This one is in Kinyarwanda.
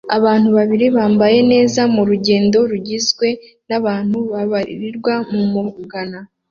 Abantu babiri bambaye neza mu rugendo rugizwe n'abantu babarirwa mu magana